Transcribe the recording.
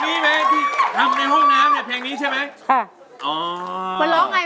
ใช่เพลงนี้ที่อยู่ในห้องน้ำแผ่งนี้ใช่ไหมใช่